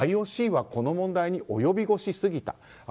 ＩＯＣはこの問題に及び腰すぎた。